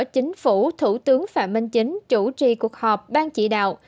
chính phủ thủ tướng phạm minh chính chủ trì cuộc họp ban chỉ đạo